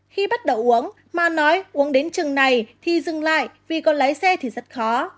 khi bắt đầu uống mà nói uống đến trường này thì dừng lại vì có lái xe thì rất khó